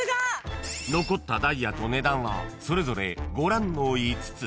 ［残ったダイヤと値段はそれぞれご覧の５つ］